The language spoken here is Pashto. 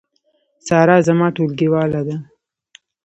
سارا زما ټولګیواله ده